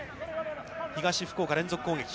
東福岡連続攻撃。